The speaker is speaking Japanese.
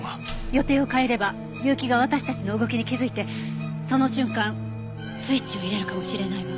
予定を変えれば結城が私たちの動きに気づいてその瞬間スイッチを入れるかもしれないわ。